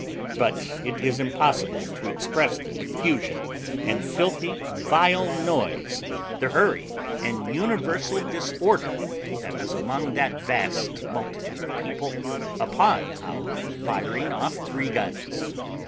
But it is impossible to express the confusion and filthy vile noise, the hurry and universal disorder, that was among that vast multitude of people upon our firing off three guns.